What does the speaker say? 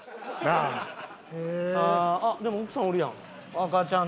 あっでも奥さんおるやん。